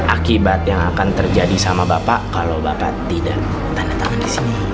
akibat yang akan terjadi sama bapak kalau bapak tidak tanda tangan di sini